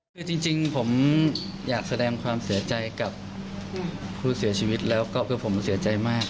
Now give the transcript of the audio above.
คือจริงผมอยากแสดงความเสียใจกับผู้เสียชีวิตแล้วก็คือผมเสียใจมาก